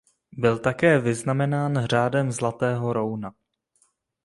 Byl také vyznamenán řádem Zlatého rouna.